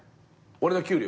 俺の給料？